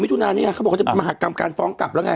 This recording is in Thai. ถุนานี่ไงเขาบอกว่าจะเป็นมหากรรมการฟ้องกลับแล้วไง